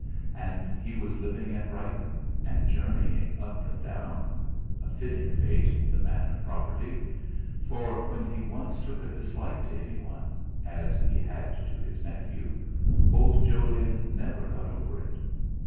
And he was living at Brighton, and journeying up and down a fitting fate, the man of property! For when he once took a dislike to anyone as he had to his nephew old Jolyon never got over it.